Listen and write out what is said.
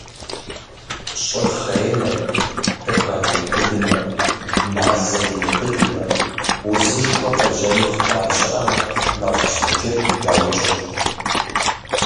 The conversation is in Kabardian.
Щӏыр хъеймэ, дыгъэр иубыдмэ, мазэр иубыдмэ, узышхуэ къежьэну хъыбар щыӏэмэ, мафӏэщхьэджэд яукӏырт.